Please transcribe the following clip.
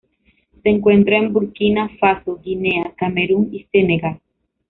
Se encuentra en Burkina Faso, Guinea, Camerún y Senegal.